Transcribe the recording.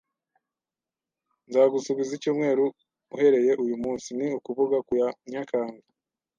Nzagusubiza icyumweru uhereye uyu munsi, ni ukuvuga ku ya Nyakanga